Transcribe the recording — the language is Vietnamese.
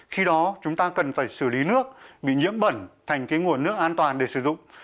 khi đó chúng ta cần phải xử lý nước bị nhiễm bẩn thành nguồn nước an toàn để sử dụng